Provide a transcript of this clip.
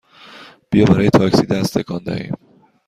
بیا برای تاکسی دست تکان دهیم!